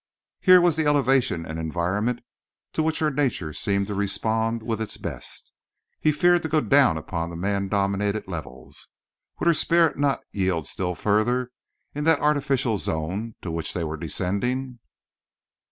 Here was the elevation and environment to which her nature seemed to respond with its best. He feared to go down upon the man dominated levels. Would her spirit not yield still further in that artificial zone to which they were descending?